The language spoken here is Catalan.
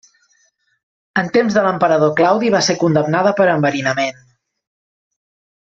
En temps de l'emperador Claudi va ser condemnada per enverinament.